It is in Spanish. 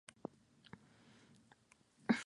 Sensible a la podredumbre, el sustrato debe ser poroso.